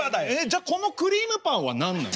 じゃこのクリームパンは何なの？